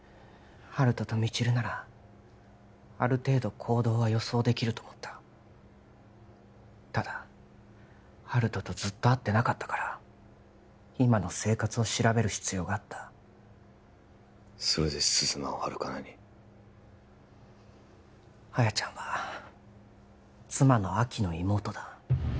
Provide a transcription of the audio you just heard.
温人と未知留ならある程度行動は予想できると思ったただ温人とずっと会ってなかったから今の生活を調べる必要があったそれで鈴間をハルカナに亜矢ちゃんは妻の亜希の妹だ